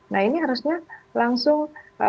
nah ini harusnya langsung